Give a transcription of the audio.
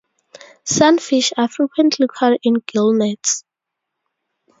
Sunfish are frequently caught in gillnets.